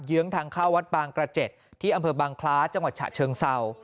ื้องทางเข้าวัดบางกระเจ็ดที่อำเภอบางคล้าจังหวัดฉะเชิงเศร้า